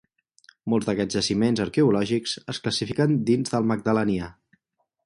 Molts d'aquests jaciments arqueològics es classifiquen dins del Magdalenià.